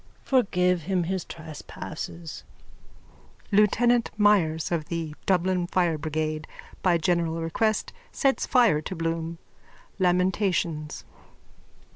_ Forgive him his trespasses. _(Lieutenant Myers of the Dublin Fire Brigade by general request sets fire to Bloom. Lamentations.)